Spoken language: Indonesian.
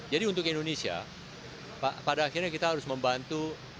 jadi untuk indonesia pada akhirnya kita harus membantu